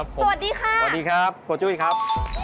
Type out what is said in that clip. สวัสดีค่ะสวัสดีครับคุณจุ้ยครับ